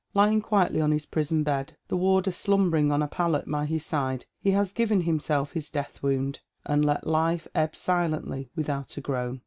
Lying quietly on his prison bed, the warder slumbering on a pallet by his side, he has given himself his death wound, and let Ufe ebb silently without a groan.